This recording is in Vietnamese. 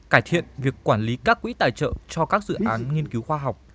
cải thiện việc quản lý các quỹ tài trợ cho các dự án nghiên cứu khoa học